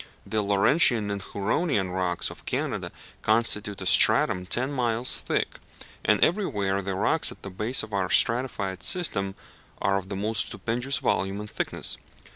The Laurentian and Huronian rocks of Canada constitute a stratum ten miles thick; and everywhere the rocks at the base of our stratified system are of the most stupendous volume and thickness.